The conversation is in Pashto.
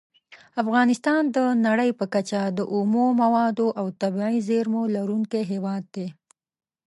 افغانستان د نړۍ په کچه د اومو موادو او طبیعي زېرمو لرونکی هیواد دی.